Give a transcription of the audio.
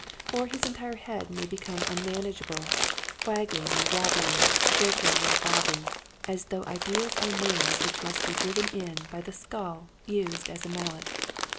Or his entire head may become unmanage able, wagging and wabbling, jerking and bobbing, as though ideas are nails which must be driven in by the skull used as a mallet.